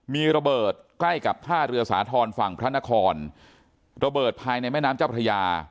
มีระเบิดใกล้กับท่าเรือสาธรณ์ฝั่งพระนครระเบิดภายในแม่น้ำเจ้าพระยา